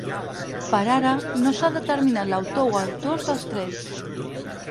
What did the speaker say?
Per ara, no s’ha determinat l’autor o autors dels trets.